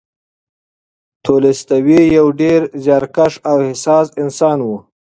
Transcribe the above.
تولستوی یو ډېر زیارکښ او حساس انسان و.